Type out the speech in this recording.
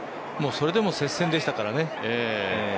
それでも接戦でしたからね。